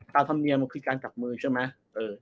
การทำเมียมันคือการจับมือใช่ไหม